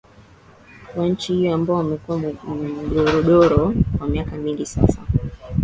wa nchi hiyo ambao umekuwa mdororo kwa miaka mingi sasa